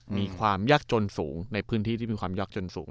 มีความยากจนสูงในพื้นที่ที่มีความยากจนสูง